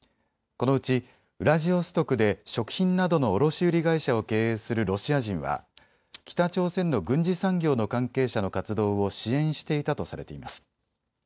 このうちウラジオストクで食品などの卸売会社を経営するロシア人は北朝鮮の軍事産業の関係者の活動を支援していたとされています。